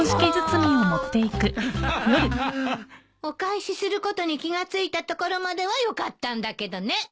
お返しすることに気が付いたところまではよかったんだけどね。